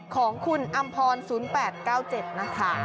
ของคุณอำพร๐๘๙๗นะคะ